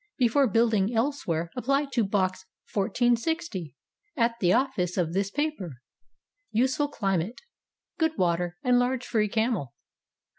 Before building elsewhere apply to Box 1460 at the office of this paper. Useful climate. Good water and large free camel.